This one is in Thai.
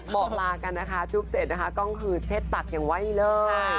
บอกลากันนะคะจุ๊บเสร็จก็คือเช็ดปากอย่างไว้เลย